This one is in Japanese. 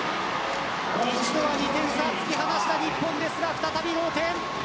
一度は２点差突き放した日本ですが再び同点。